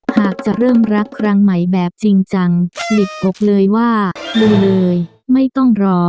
หากจะเริ่มรักครั้งใหม่แบบจริงจังหลีบอกเลยว่าดูเลยไม่ต้องรอ